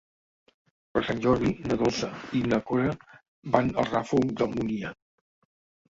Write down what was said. Per Sant Jordi na Dolça i na Cora van al Ràfol d'Almúnia.